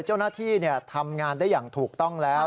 เจ้าหน้าที่ทำงานได้อย่างถูกต้องแล้ว